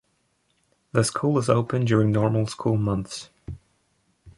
The school is open during normal school months.